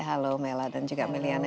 halo mela dan juga meliana